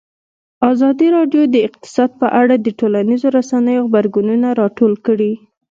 ازادي راډیو د اقتصاد په اړه د ټولنیزو رسنیو غبرګونونه راټول کړي.